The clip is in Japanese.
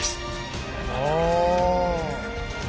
ああ。